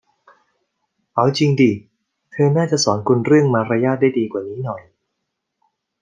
เอาจริงดิ เธอน่าจะสอนคุณเรื่องมารยาทได้ดีกว่านี้หน่อย